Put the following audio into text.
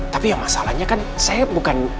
tapi ya masalahnya kan saya bukan